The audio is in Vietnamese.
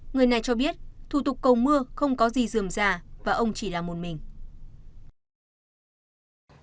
người này cho biết thủ tục cầu mưa không có gì dườm già và ông chỉ là một mình